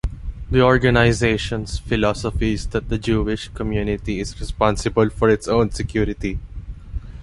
The organisation's philosophy is that the Jewish community is responsible for its own security.